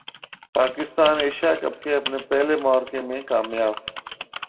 Pakistan Asia cup کے اپنے پہلے معرکے میں کامیاب